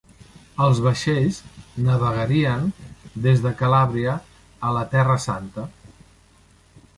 Els vaixells navegarien des de Calàbria a la Terra santa.